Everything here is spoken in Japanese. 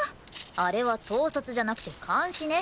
あれは統率じゃなくて監視ね。